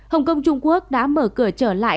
hồng kông trung quốc đã mở cửa trở lại